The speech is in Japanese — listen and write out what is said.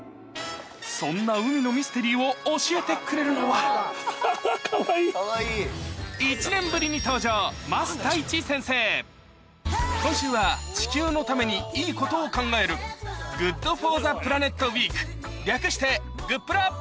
そんな海のミステリーを教えてくれるのは今週は地球のためにいいことを考える「ＧｏｏｄＦｏｒｔｈｅＰｌａｎｅｔウィーク」略して「＃グップラ」